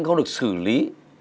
không được xử lý